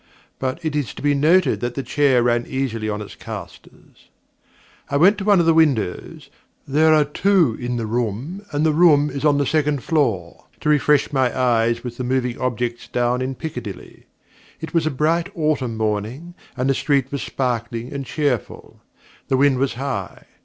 (But it is to be noted that the chair ran easily on castors.) I went to one of the windows (there are two in the room, and the room is on the second floor) to refresh my eyes with the moving objects down in Piccadilly. It was a bright autumn morning, and the street was sparkling and cheerful. The wind was high.